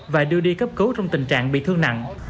và đưa đi cấp cứu trong tình trạng bị thương nặng